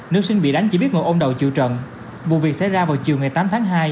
nữ sinh bị đánh chỉ biết ngồi ôm đầu chịu trận vụ việc xảy ra vào chiều ngày tám tháng hai